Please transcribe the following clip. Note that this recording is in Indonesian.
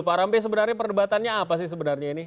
pak rambe sebenarnya perdebatannya apa sih sebenarnya ini